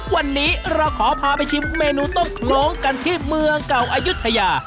วันนี้เราขอพาไปชิมเมนูต้มโครงกันที่เมืองเก่าอายุทยา